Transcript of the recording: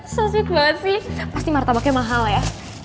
so sweet banget sih pasti martabaknya mahal ya